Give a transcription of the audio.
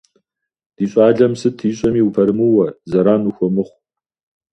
Ди щӏалэм сыт ищӏэми упэрымыуэ, зэран ухуэмыхъу.